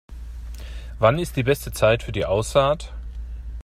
Wann ist die beste Zeit für die Aussaat?